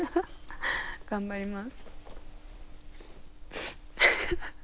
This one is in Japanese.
頑張ります。